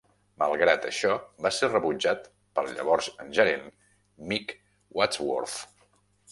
Malgrat això, va ser rebutjat pel llavors gerent Mick Wadsworth.